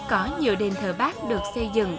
có nhiều đền thờ bác được xây dựng